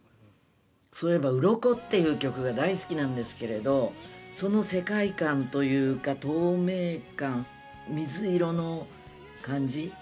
そういえば『鱗』っていう曲が大好きなんですけれどその世界観というか透明感水色の感じ。